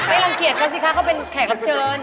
รังเกียจเขาสิคะเขาเป็นแขกรับเชิญ